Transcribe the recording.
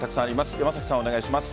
山崎さん、お願いします。